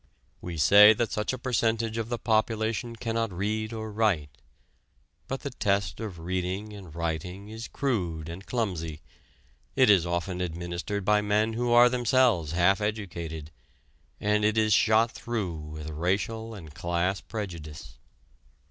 We say that such a percentage of the population cannot read or write. But the test of reading and writing is crude and clumsy. It is often administered by men who are themselves half educated, and it is shot through with racial and class prejudice.